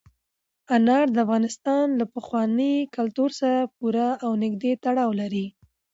انار د افغانستان له پخواني کلتور سره پوره او نږدې تړاو لري.